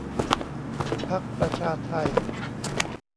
พรรคประชาไทย